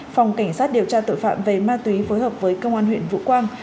phòng cảnh sát điều tra tội phạm về ma túy phối hợp với công an huyện vũ quang